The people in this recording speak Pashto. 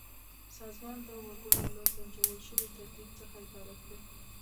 سازمان د وګړو له سنجول شوي ترتیب څخه عبارت دی.